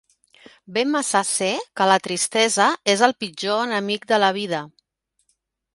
Bé massa sé que la tristesa és el pitjor enemic de la vida.